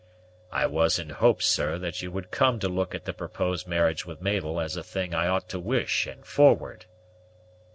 "I was in hopes, sir, that you would come to look at the proposed marriage with Mabel as a thing I ought to wish and forward."